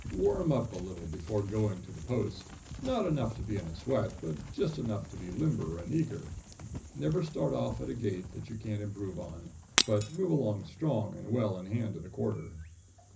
Warm up a little before going to the post not enough to be in a sweat, but just enough to be limber and eager. Never start off at a gait that you can't improve on, but move along strong and well in hand to the quarter.